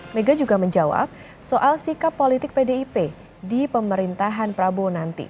mega juga menjawab soal sikap politik pdip di pemerintahan prabowo nanti